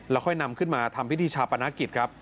ค่อยนำขึ้นมาทำพิธีชาปนกิจครับ